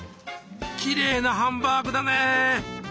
きれいなハンバーグだね。